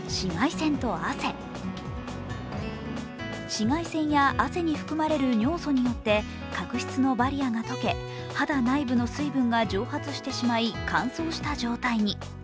紫外線や汗に含まれる尿素によって角質のバリアが溶け肌内部の水分が蒸発してしまい、乾燥した状態に。